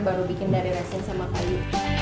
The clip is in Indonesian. baru bikin dari resin sama kayu